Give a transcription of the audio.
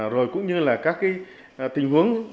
rồi cũng như là các tình huống